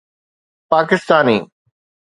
Pakistani